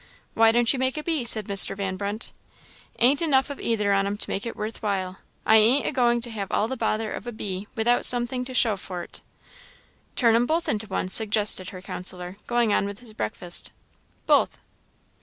"Why don't you make a bee?" said Mr. Van Brunt. "Ain't enough of either on 'em to make it worth while. I ain't agoing to have all the bother of a bee without some thing to show for't." "Turn'em both into one," suggested her counsellor, going on with his breakfast. "Both?"